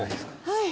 はい。